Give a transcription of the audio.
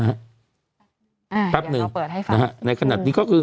อ่าเดี๋ยวเราเปิดให้ฟังนะฮะในขณะนี้ก็คือ